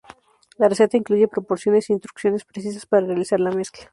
La receta incluye proporciones e instrucciones precisas para realizar la mezcla.